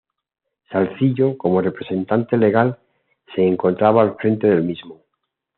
Salzillo, como representante legal, se encontraba al frente del mismo.